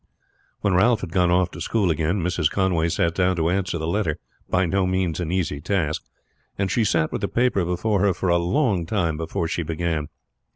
When Ralph had gone off to school again Mrs. Conway sat down to answer the letter by no means an easy task and she sat with the paper before her for a long time before she began.